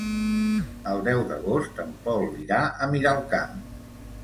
El deu d'agost en Pol irà a Miralcamp.